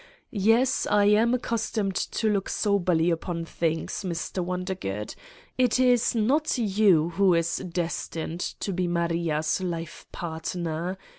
Yes, I am accustomed to look soberly upon things, Mr. Wondergood. It is not you who is destined to be Maria's life partner!